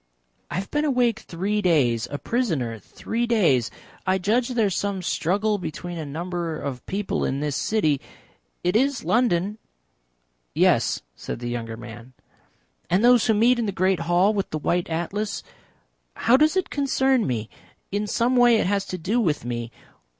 "I have been awake three days a prisoner three days. I judge there is some struggle between a number of people in this city it is London?" "Yes," said the younger man. "And those who meet in the great hall with the white Atlas? How does it concern me? In some way it has to do with me.